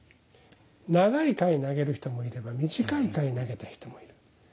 長い回投げる人もいれば短い回投げた人もいる。